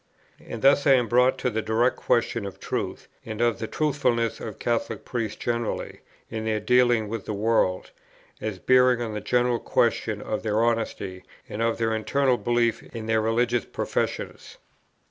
And thus I am brought to the direct question of truth, and of the truthfulness of Catholic priests generally in their dealings with the world, as bearing on the general question of their honesty, and of their internal belief in their religious professions.